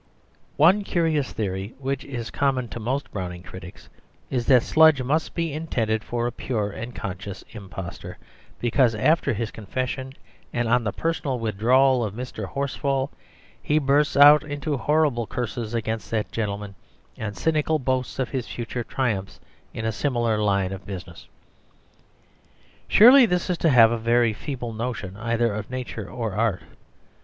One curious theory which is common to most Browning critics is that Sludge must be intended for a pure and conscious impostor, because after his confession, and on the personal withdrawal of Mr. Horsfall, he bursts out into horrible curses against that gentleman and cynical boasts of his future triumphs in a similar line of business. Surely this is to have a very feeble notion either of nature or art.